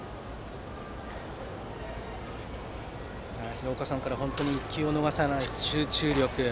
廣岡さんからは１球を逃さない集中力と。